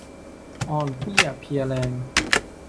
อ่อนเปลี้ยเพลียแรง